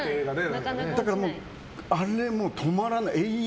だからあれ、止まらない。